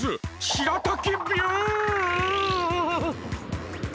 しらたきビュン！